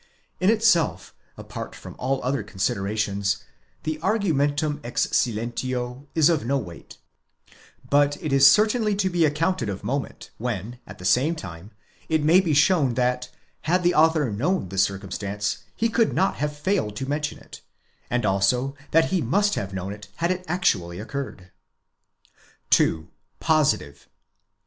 In itself, apart from all other considerations, the argumentum ex silentio is of no weight ; but it is certainly to be accounted of moment when, at the same time, it may be shown that had the author known the circumstance he could not have failed to mention it, and also that he must have known it had it actually occurred. 11. fositive.